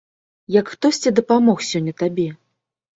Як хтосьці дапамог сёння табе?